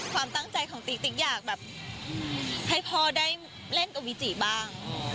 ความตั้งใจของติ๊กติ๊กอยากแบบให้พ่อได้เล่นกับวิจิบ้าง